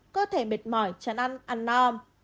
cơ thể mệt mỏi chán ăn ăn no